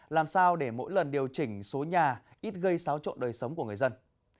làm sao để mỗi lần điều chỉnh số nhà ít gây xáo trộn đời sống của người dân